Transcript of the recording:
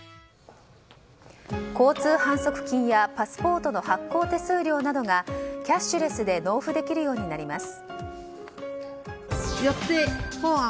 交通反則金やパスポートの発行手数料がキャッシュレスで納付できるようになります。